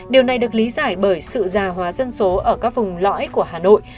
điều này được lý giải bởi sự già hóa dân số ở các vùng lõi của hà nội